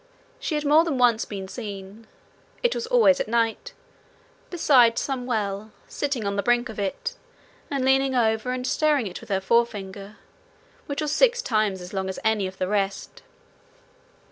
She had more than once been seen it was always at night beside some well, sitting on the brink of it, and leaning over and stirring it with her forefinger, which was six times as long as any of the rest.